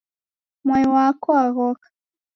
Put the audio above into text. Mwai wako waghoka.